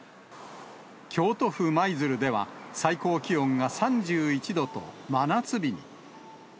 京都府舞鶴では、最高気温が３１度と、真夏日に。